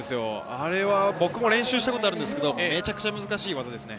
僕も練習したことあるんですけれど、めちゃくちゃ難しいですね。